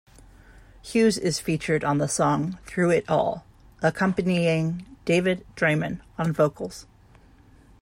Hughes is featured on the song "Through It All" accompanying David Draiman on vocals.